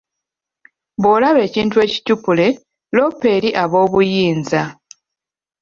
Bw'olaba ekintu ekicupule, loopa eri aboobuyinza.